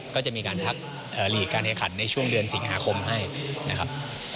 ก็จะมีการพักหลีกการแข่งขันในช่วงเดือนสิงหาคมให้นะครับ